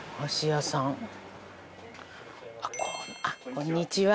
こんにちは。